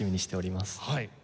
はい。